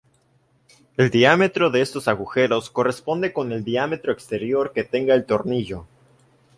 El diámetro de estos agujeros corresponde con el diámetro exterior que tenga el tornillo.